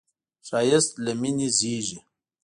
ښایست له مینې زېږي